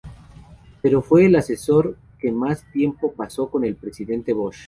Pero fue el asesor que más tiempo pasó con el Presidente Bush.